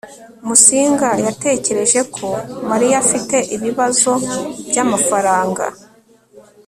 musinga yatekereje ko mariya afite ibibazo byamafaranga